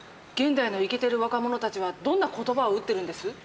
現代のイケてる若者たちはどんな言葉を打ってるんです？